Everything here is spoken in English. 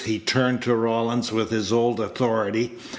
He turned to Rawlins with his old authority.